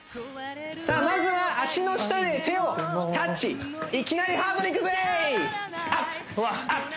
さあまずは脚の下で手をタッチいきなりハードにいくぜアップアップ！